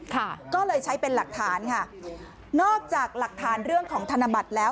ค่ะก็เลยใช้เป็นหลักฐานค่ะนอกจากหลักฐานเรื่องของธนบัตรแล้ว